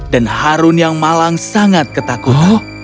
dan harun yang malang sangat ketakutan